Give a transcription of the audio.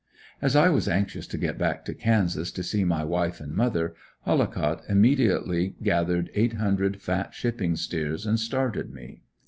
As I was anxious to get back to Kansas to see my wife and mother, Hollicott immediately gathered eight hundred fat shipping steers and started me.